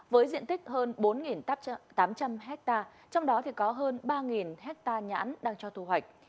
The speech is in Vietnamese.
với diện tích hơn bốn tám trăm linh hectare trong đó có hơn ba hectare nhãn đang cho thu hoạch